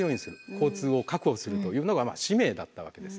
交通を確保するというのが使命だったわけですね。